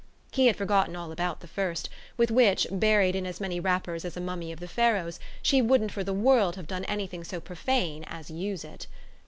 He had forgotten all about the first, with which, buried in as many wrappers as a mummy of the Pharaohs, she wouldn't for the world have done anything so profane as use it.